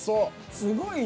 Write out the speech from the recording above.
すごいな。